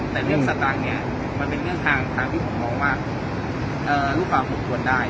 แต่เรื่องสตางค์เนี่ยมันเป็นเรื่องทางที่ผมมองว่าลูกความผมควรได้